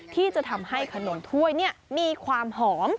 ที่จะทำให้ขนมถ้วยมีความหอม